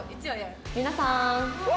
「皆さん！」